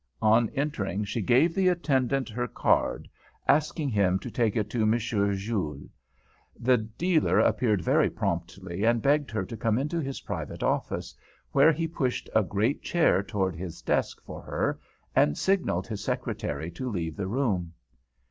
On entering she gave the attendant her card, asking him to take it to M. Jules. The dealer appeared very promptly and begged her to come into his private office, where he pushed a great chair toward his desk for her and signalled his secretary to leave the room.